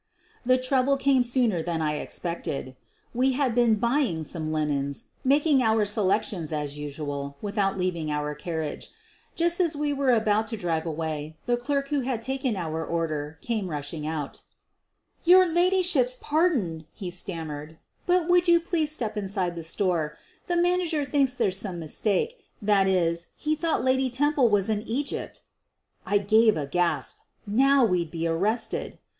The trouble came sooner than I expected. We had been "buying" some linens — making our selec tions, as usual, without leaving our carriage. Just as we were about to drive away the clerk who had taken our order came rushing out. "Your ladyship's pardon," he stammered, "but 114 SOPHIE LYONS would you please step inside the store. The man ager thinks there's some mistake — that is, he thought Lady Temple was in Egypt.' ' I gave a gasp — now we'd be arrested!